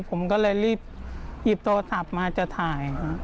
ผมก็เลยรีบหยิบโทรศัพท์มาจะถ่าย